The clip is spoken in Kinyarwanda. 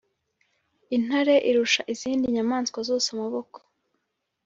intare irusha izindi nyamaswa zose amaboko,